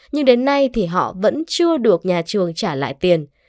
nhưng đến nay thì họ vẫn chưa được nhà trường trả lại tiền